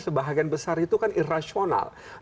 sebagian besar itu kan irasional